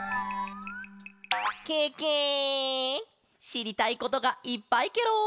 しりたいことがいっぱいケロ！